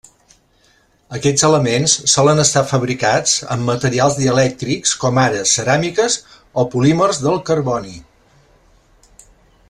Aquests elements solen estar fabricats amb materials dielèctrics com ara ceràmiques o polímers del carboni.